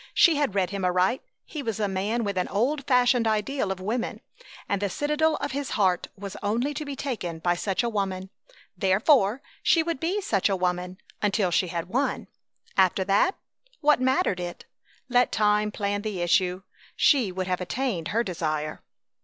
She had read him aright. He was a man with an old fashioned ideal of woman, and the citadel of his heart was only to be taken by such a woman. Therefore, she would be such a woman until she had won. After that? What mattered it? Let time plan the issue! She would have attained her desire!